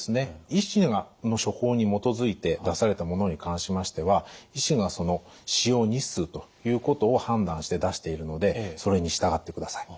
医師の処方に基づいて出されたものに関しましては医師が使用日数ということを判断して出しているのでそれに従ってください。